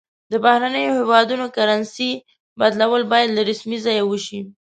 د بهرنیو هیوادونو کرنسي بدلول باید له رسمي ځایه وشي.